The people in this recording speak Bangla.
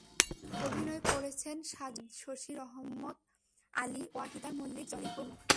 অভিনয় করেছেন সাজু খাদেম, শশী, রহমত আলী, ওয়াহিদা মল্লিক জলি প্রমুখ।